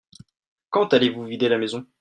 Quand allez-vous vider la maison ?